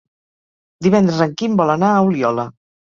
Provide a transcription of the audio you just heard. Divendres en Quim vol anar a Oliola.